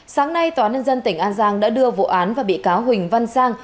sáng nay tòa nhân dân tỉnh an giang đã đưa vụ án và bị cáo huỳnh văn sang